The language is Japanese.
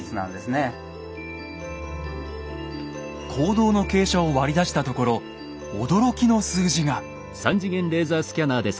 坑道の傾斜を割り出したところ驚きの数字が。